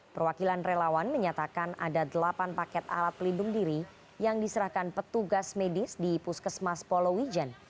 perwakilan relawan menyatakan ada delapan paket alat pelindung diri yang diserahkan petugas medis di puskesmas polowijen